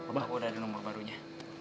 udah ada nomor barunya